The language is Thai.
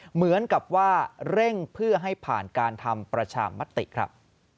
เหมือนกับว่าเร่งเพื่อให้ผ่านการทำประชามติครับ